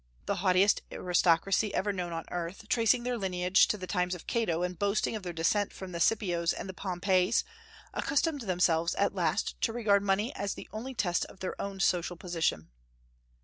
The haughtiest aristocracy ever known on earth, tracing their lineage to the times of Cato and boasting of their descent from the Scipios and the Pompeys, accustomed themselves at last to regard money as the only test of their own social position.